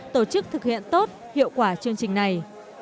tổ chức thực hiện tốt hiệu quả chương trình này